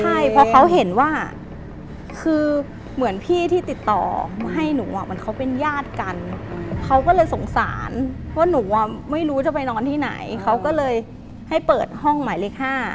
ใช่เพราะเขาเห็นว่าคือเหมือนพี่ที่ติดต่อให้หนูอ่ะเหมือนเขาเป็นญาติกันเขาก็เลยสงสารว่าหนูอ่ะไม่รู้จะไปนอนที่ไหนเขาก็เลยให้เปิดห้องหมายเลข๕